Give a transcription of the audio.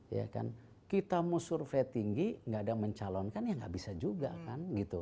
ya kan kita mau survei tinggi nggak ada yang mencalonkan ya nggak bisa juga kan gitu